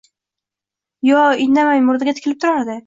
Va indamay murdaga tikilib turardi.